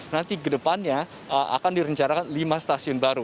nanti ke depannya akan direncarakan lima stasiun baru